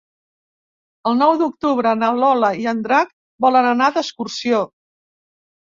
El nou d'octubre na Lola i en Drac volen anar d'excursió.